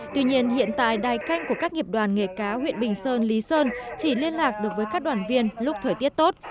tuy nhiên hiện tại đài canh của các nghiệp đoàn nghề cá huyện bình sơn lý sơn chỉ liên lạc được với các đoàn viên lúc thời tiết tốt